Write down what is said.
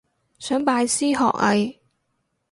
想拜師學藝